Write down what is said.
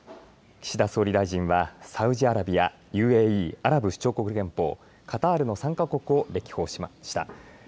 岸田総理大臣は、サウジアラビア、ＵＡＥ・アラブ首長国連邦、カタールの３か国を歴訪しました。